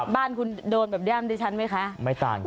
บ้านคุณโดนแบบนี้อาจารย์ด้วยฉันไหมคะไม่ต่างครับ